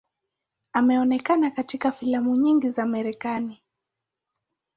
Ameonekana katika filamu nyingi za Marekani.